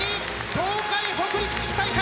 東海北陸地区大会。